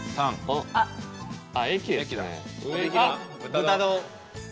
豚丼。